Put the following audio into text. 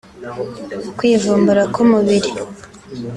kwivumbura k’umubiri